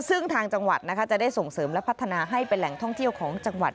ซึ่งทางจังหวัดนะคะจะได้ส่งเสริมและพัฒนาให้เป็นแหล่งท่องเที่ยวของจังหวัด